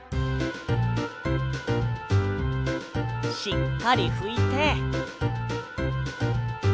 しっかりふいて。